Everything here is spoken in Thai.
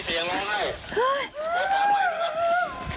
ไหนล่างเท้า